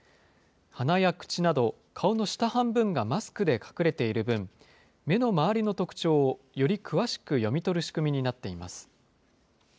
鼻や口など、顔の下半分がマスクで隠れている分、目の周りの特徴をより詳しく読み取る仕組みになっています。